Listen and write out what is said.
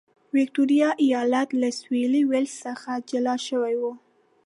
ویکټوریا ایالت له سوېلي ویلز څخه جلا شوی و.